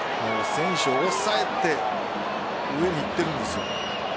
選手を押さえて上に行っているんです。